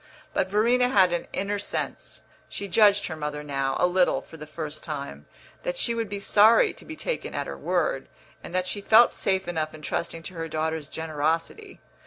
But Verena had an inner sense (she judged her mother now, a little, for the first time) that she would be sorry to be taken at her word, and that she felt safe enough in trusting to her daughter's generosity.